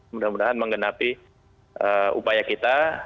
mudah mudahan menggenapi upaya kita untuk bersatu melawan